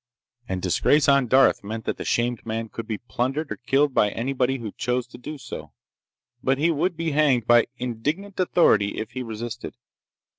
And disgrace on Darth meant that the shamed man could be plundered or killed by anybody who chose to do so, but he would be hanged by indignant authority if he resisted.